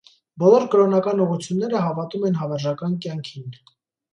Բոլոր կրոնական ուղղությունները հավատում են հավերժական կյանքին։